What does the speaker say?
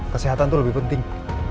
kesehatan tuh lebih penting